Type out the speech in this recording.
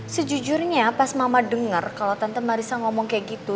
sejujurnya pas mama dengar kalau tante marisa ngomong kayak gitu